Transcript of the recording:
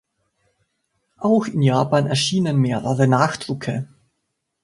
Auch in Japan erschienen mehrere Nachdrucke.